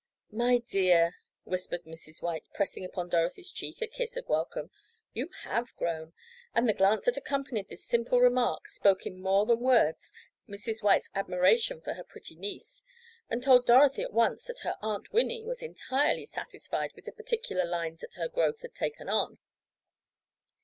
"My dear," whispered Mrs. White, pressing upon Dorothy's cheek a kiss of welcome. "You have grown!" and the glance that accompanied this simple remark spoke in more than words Mrs. White's admiration for her pretty niece, and told Dorothy at once, that her Aunt Winnie was entirely satisfied with the particular lines that "her growth" had taken on.